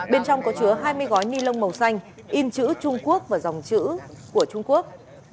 bên trong có chứa hai mươi gói ni lông màu xanh in chữ trung quốc và dòng chữ của trung quốc